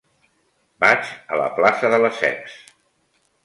Vaig a la plaça de Lesseps.